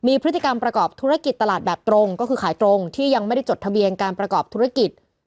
มีพฤติกรรมประกอบธุรกิจตลาดแบบตรงก็คือขายตรงที่ยังไม่ได้จดทะเบียนการประกอบธุรกิจ